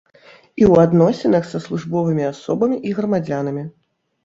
і ў адносінах са службовымі асобамі і грамадзянамі.